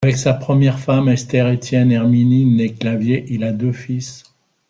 Avec sa première femme, Esther-Étienne-Herminie née Clavier, il a deux fils.